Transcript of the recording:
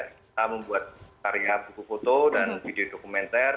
kita membuat karya buku foto dan video dokumenter